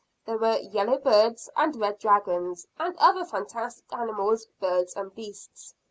There were yellow birds, and red dragons, and other fantastic animals, birds and beasts.